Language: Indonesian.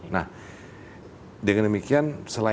nah dengan demikian